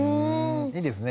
いいですねでも。